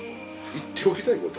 言っておきたいこと？